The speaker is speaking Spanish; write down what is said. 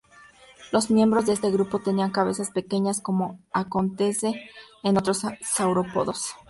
Los miembros de este grupo tenían cabezas pequeñas, como acontece en otros saurópodos.